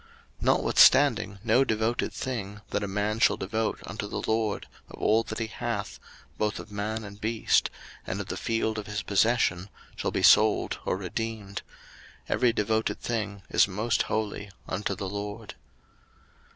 03:027:028 Notwithstanding no devoted thing, that a man shall devote unto the LORD of all that he hath, both of man and beast, and of the field of his possession, shall be sold or redeemed: every devoted thing is most holy unto the LORD.